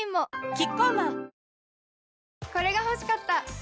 キッコーマンこれが欲しかった！